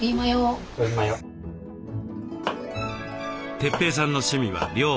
哲平さんの趣味は料理。